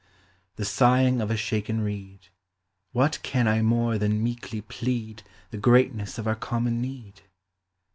The sighing of a shaken reed, — What can I more than meekly plead The greatness of our common need?